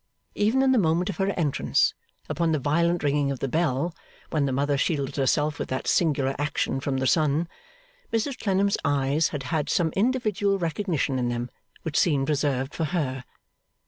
Even in the moment of her entrance, upon the violent ringing of the bell, when the mother shielded herself with that singular action from the son, Mrs Clennam's eyes had had some individual recognition in them, which seemed reserved for her.